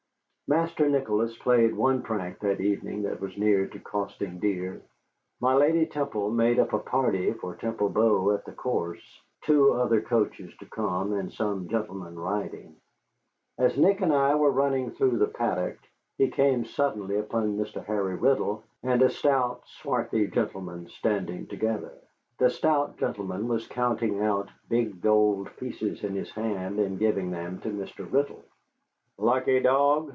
Master Nicholas played one prank that evening that was near to costing dear. My lady Temple made up a party for Temple Bow at the course, two other coaches to come and some gentlemen riding. As Nick and I were running through the paddock we came suddenly upon Mr. Harry Riddle and a stout, swarthy gentleman standing together. The stout gentleman was counting out big gold pieces in his hand and giving them to Mr. Riddle. "Lucky dog!"